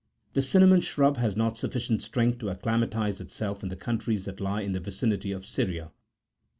The cinnamon75 shrub has not sufficient strength to acclimatize itself in the countries that lie in the vicinity of Syria.